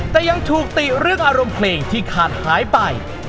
แต่ยังถูกติเรื่องอารมณ์เพลงที่ขาดหายไป